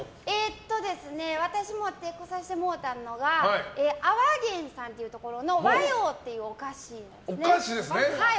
私が持ってこさせてもらったのが粟玄さんっていうところの和洋っていうお菓子ですね。